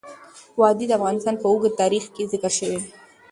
وادي د افغانستان په اوږده تاریخ کې ذکر شوی دی.